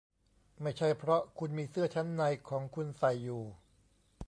ไม่ใช่เพราะคุณมีเสื้อชั้นในของคุณใส่อยู่